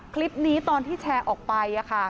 คลิปนี้ตอนที่แชร์ออกไป